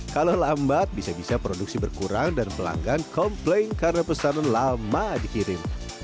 kalau lambat bisa bisa produksi berkurang dan pelanggan komplain karena pesanan lama dikirim